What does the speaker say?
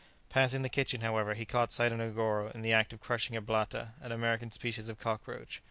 Passing the kitchen, however, he caught sight of Negoro in the act of crushing a blatta, an American species of cockroach.